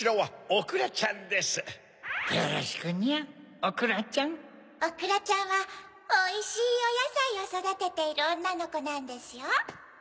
おくらちゃんはおいしいおやさいをそだてているおんなのコなんですよ。